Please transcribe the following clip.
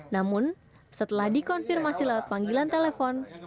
namun setelah dikonfirmasi lewat panggilan telepon